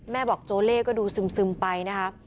แม่บอกโจเล่ก็ดูซึมไปนะคะ